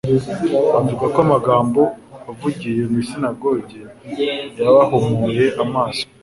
Bavuga ko amagambo avugiye mu isinagogi, yabahumuye amaso.